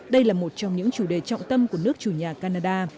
đây là một trong những chủ đề trọng tâm của nước chủ nhà canada